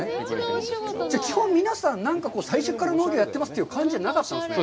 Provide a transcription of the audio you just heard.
皆さん、最初から農業やってますという感じじゃなかったんですね。